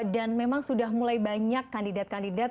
dan memang sudah mulai banyak kandidat kandidat